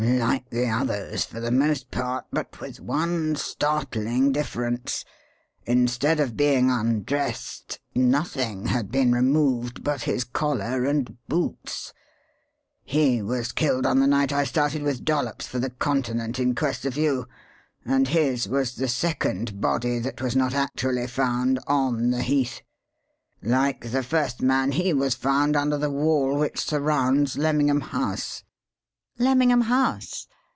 "Like the others, for the most part, but with one startling difference: instead of being undressed, nothing had been removed but his collar and boots. He was killed on the night I started with Dollops for the Continent in quest of you; and his was the second body that was not actually found on the heath. Like the first man, he was found under the wall which surrounds Lemmingham House." "Lemmingham House?